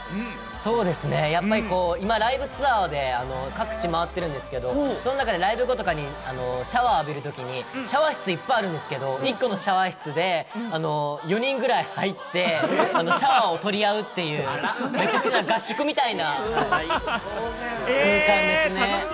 今ライブツアーで各地を回ってるんですけれども、そん中でライブ後とかにシャワーを浴びるときにシャワー室いっぱいあるんですけれども、１個のシャワー室で４人ぐらい入ってシャワーを取り合うっていう、めちゃくちゃ合宿みたいな瞬間ですね。